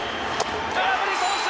空振り三振！